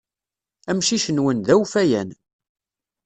Amcic-nwen d awfayan.